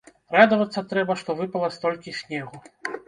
Радавацца трэба, што выпала столькі снегу.